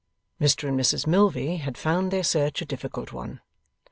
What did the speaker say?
Mr and Mrs Milvey had found their search a difficult one.